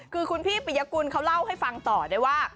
คือคุณพี่ปิยกุลเขาเล่าให้ฟังต่อได้ว่า